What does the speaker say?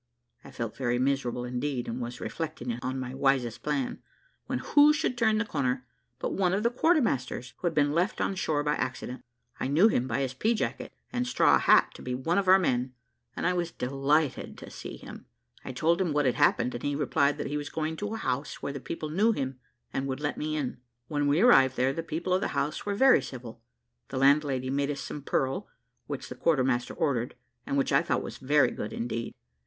I felt very miserable indeed, and was reflecting on my wisest plan, when who should turn the corner, but one of the quarter masters, who had been left on shore by accident. I knew him by his pea jacket and straw hat to be one of our men, and I was delighted to see him. I told him what had happened, and he replied that he was going to a house where the people knew him, and would let him in. When we arrived there, the people of the house were very civil; the landlady made us some purl, which the quartermaster ordered, and which I thought very good indeed.